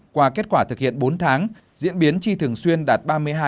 qua kết quả thực hiện bốn tháng diễn biến tri thường xuyên đạt ba mươi hai một